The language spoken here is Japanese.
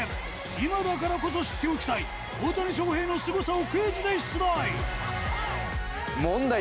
今だからこそ知っておきたい大谷翔平のすごさをクイズで出題